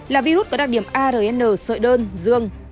là virus có đặc điểm arn sợi đơn dương